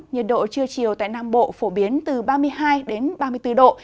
nhiệt độ trưa chiều tại nam bộ phổ biến từ ba mươi hai ba mươi bốn độ